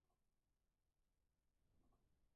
Laurie fue descubierta por el director Frank Darabont.